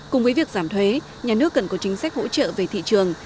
cùng với việc giảm thuế nhà nước cần có chính sách hỗ trợ về thị trường